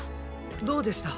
どうでした？